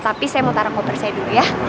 tapi saya mau taruh kopernya dulu ya